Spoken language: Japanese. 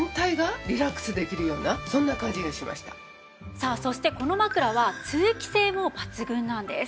さあそしてこの枕は通気性も抜群なんです。